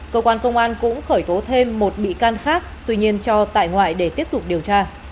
cơ quan công an cũng khởi tố thêm một bị can khác tuy nhiên cho tại ngoại để tiếp tục điều tra